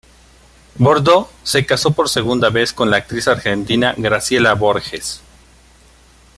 Bordeu se casó por segunda vez con la actriz argentina Graciela Borges.